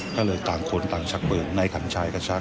ก็เลยต่างคนต่างชักปืนนายขันชายก็ชัก